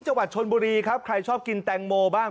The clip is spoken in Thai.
จังหวัดชนบุรีครับใครชอบกินแตงโมบ้าง